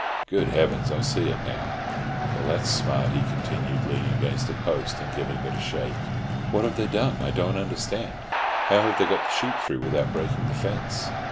Good heavens, I see it now! Well, that's smart he continued, leaning against a post and giving it a shake. "What have they done I don't understand. How have they got the sheep through without breaking the fence?"